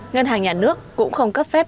ngân hàng nhà nước cũng không cấp phép